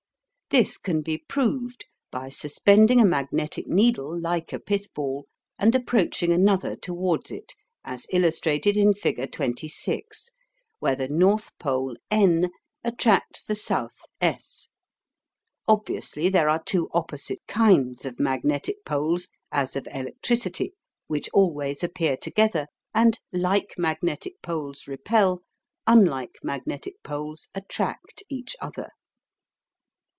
This can be proved by suspending a magnetic needle like a pithball, and approaching another towards it, as illustrated in figure 26, where the north pole N attracts the south S. Obviously there are two opposite kinds of magnetic poles, as of electricity, which always appear together, and like magnetic poles repel, unlike magnetic poles attract each other.